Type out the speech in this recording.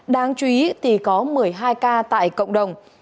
đáng chú ý thì có một mươi hai ca tại cộng đồng